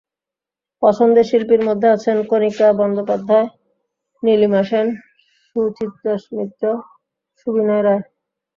পছন্দের শিল্পীর মধ্যে আছেন কণিকা বন্দ্যোপাধ্যায়, নীলিমা সেন, সুচিত্রা মিত্র, সুবিণয় রায়।